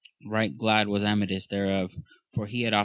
Right glad was Amadis thereof, for hehadoft.